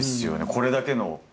これだけの。